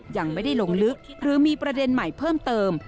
ยังไม่ได้ลงลึกหรือมีประเด็นใหม่เพิ่มเติม